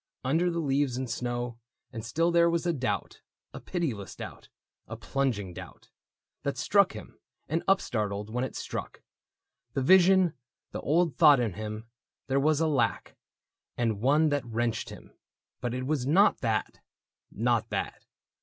Under the leaves and snow ; and still there was A doubt, a pitiless doubt, a plunging doubt, 128 THE BOOK OF ANNANDALE That struck him, and upstartled when it struck. The vision, the old thought in him. There was A lack, and one that wrenched him ; but it was Not that — not that.